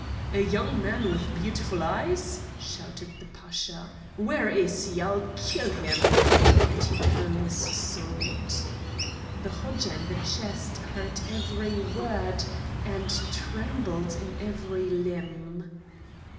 "A young man with beautiful eyes," shouted the Pasha. "Where is he? I'll kill him!" and he drew his sword. The Hodja in the chest heard every word and trembled in every limb.